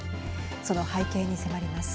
その背景に迫ります。